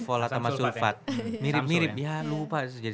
volatama sulfat mirip mirip ya lupa